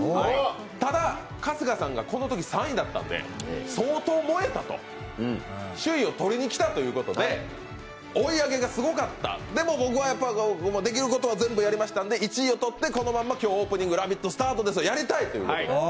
ただ、春日さんがこのとき３位だったので相当燃えたと、首位を取りに来たということで追い上げがすごかった、でも、僕は、できることは全部やりましたので、１位をとってこのまま今日オープニング「ラヴィット！」スタートですをやりたいんです。